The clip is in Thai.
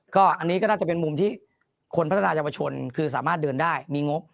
ก็อันนี้ก็น่าจะเป็นมุมที่คนพัฒนายาวชนคือสามารถเดินได้มีงบ